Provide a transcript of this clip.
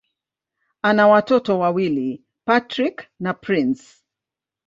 Ana watoto wawili: Patrick na Prince.